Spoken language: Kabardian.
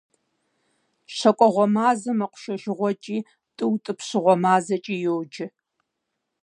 ЩэкӀуэгъуэ мазэм мэкъушэжыгъуэкӀи, тӀы утӀыпщыгъуэ мазэкӀи йоджэ.